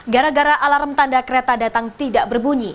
gara gara alarm tanda kereta datang tidak berbunyi